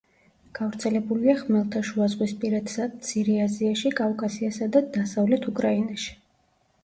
გავრცელებულია ხმელთაშუაზღვისპირეთსა, მცირე აზიაში, კავკასიასა და დასავლეთ უკრაინაში.